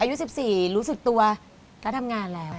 อายุ๑๔รู้สึกตัวก็ทำงานแล้ว